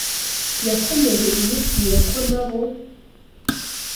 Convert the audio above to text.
Yakomeje imubwira ko na bo